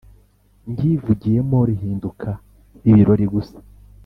ndyivugiyemo lihinduka ibiroli gusa!